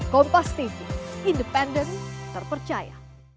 kompas tv independen terpercaya